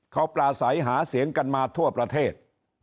เขาปลาใสหาเสียงกันมาทั่วประเทศ